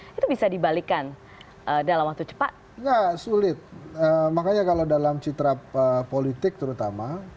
itu bisa dibalikan dalam waktu cepat enggak sulit makanya kalau dalam citra politik terutama